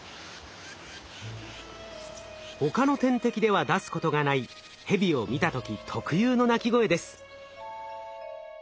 他の天敵では出すことがないヘビを見た時特有の鳴き声です。